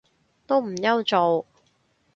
都唔憂做